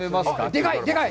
でかい、でかい！